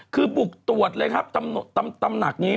คือบุกตรวจเลยครับตำหนักนี้